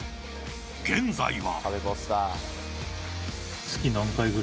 現在は。